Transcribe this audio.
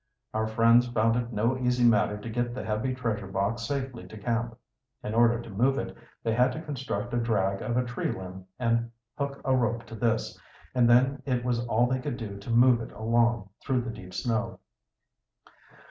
Our friends found it no easy matter to get the heavy treasure box safely to camp. In order to move it, they had to construct a drag of a treelimb and hook a rope to this, and then it was all they could do to move it along through the deep snow.